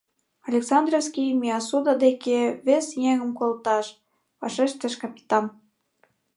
— Александровский Миасуда деке вес еҥым колташ, — вашештыш капитан.